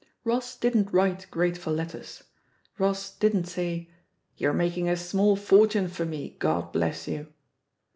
Koss didn't write grateful letters, Koss didn't say, "You're making a small fortune for me, Grod bless you!"